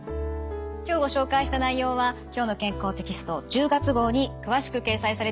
今日ご紹介した内容は「きょうの健康」テキスト１０月号に詳しく掲載されています。